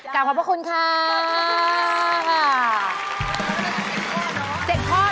กลับพบกับคุณครับ